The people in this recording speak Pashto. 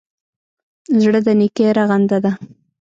زړه د نېکۍ رغنده ده.